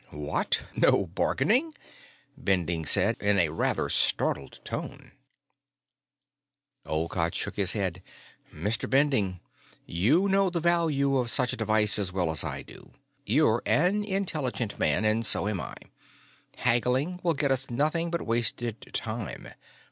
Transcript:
"What, no bargaining?" Bending said, in a rather startled tone. Olcott shook his head. "Mr. Bending, you know the value of such a device as well as I do. You're an intelligent man, and so am I. Haggling will get us nothing but wasted time.